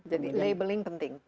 jadi labeling penting